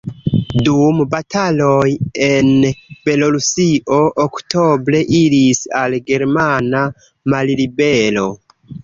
Dum bataloj en Belorusio oktobre iris al germana mallibero.